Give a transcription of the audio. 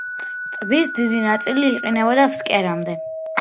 ტბის დიდი ნაწილი იყინებოდა ფსკერამდე.